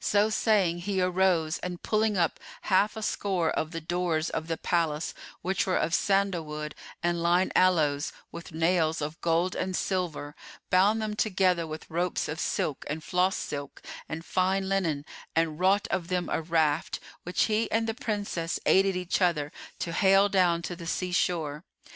So saying, he arose and pulling up[FN#425] half a score of the doors of the palace, which were of sandal wood and lign aloes with nails of gold and silver, bound them together with ropes of silk and floss[FN#426] silk and fine linen and wrought of them a raft, which he and the Princess aided each other to hale down to the sea shore.